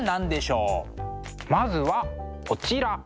まずはこちら！